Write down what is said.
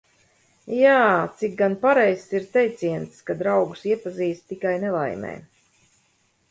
Jā, cik gan pareizs ir teiciens, ka draugus iepazīst tikai nelaimē.